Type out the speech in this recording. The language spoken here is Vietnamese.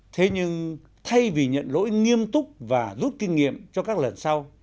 thế nhưng thay vì nhận lỗi nghiêm túc và rút kinh nghiệm cho các lần sau